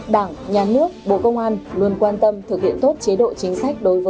đảng nhà nước bộ công an luôn quan tâm thực hiện tốt chế độ chính sách